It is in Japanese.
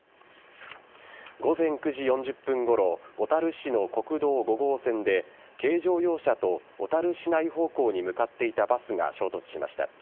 午前９時４０分ごろ小樽市の国道５号線で軽乗用車と小樽市内方向に向かっていたバスが衝突しました。